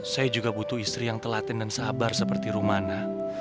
saya juga butuh istri yang telaten dan sabar seperti rumana